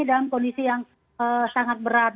dalam kondisi yang sangat berat